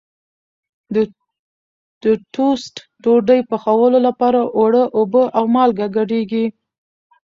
د ټوسټ ډوډۍ پخولو لپاره اوړه اوبه او مالګه ګډېږي.